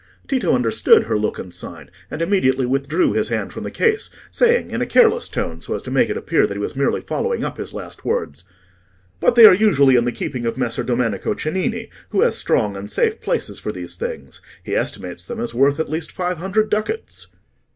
Tito understood her look and sign, and immediately withdrew his hand from the case, saying, in a careless tone, so as to make it appear that he was merely following up his last words, "But they are usually in the keeping of Messer Domenico Cennini, who has strong and safe places for these things. He estimates them as worth at least five hundred ducats."